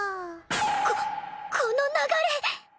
ここの流れ！